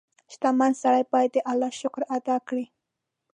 • شتمن سړی باید د الله شکر ادا کړي.